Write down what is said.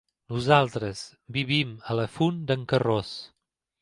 Nosaltres vivim a la Font d'en Carròs.